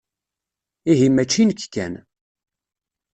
Ihi mačči nekk kan.